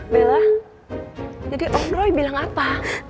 bella jadi om roy bilang apa